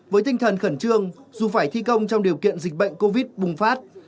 với tinh thần khẩn trương dù phải thi công trong điều kiện dịch bệnh covid bùng phát